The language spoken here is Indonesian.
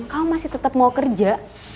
kamu masih tetap mau kerja